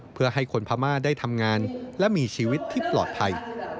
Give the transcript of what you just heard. เพื่อให้คนพม่าได้ทำงานและมีชีวิตที่ปลอดภัย